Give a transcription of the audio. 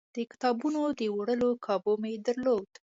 د کتابونو د وړلو کابو مې نه درلود.